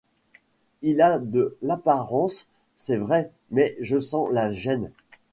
Il a de l’apparence, c’est vrai, mais je sens la gêne.